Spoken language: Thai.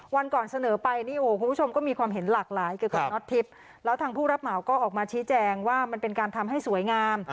วันก่อนเสนอไปนี่โอ้โหคุณผู้ชมก็มีความเห็นหลากหลายเกี่ยวกับน็อตทิพย์แล้วทางผู้รับเหมาก็ออกมาชี้แจงว่ามันเป็นการทำให้สวยงาม